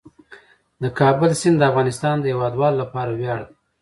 د کابل سیند د افغانستان د هیوادوالو لپاره ویاړ دی.